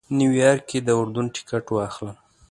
نیویارک کې د اردن ټکټ واخلم.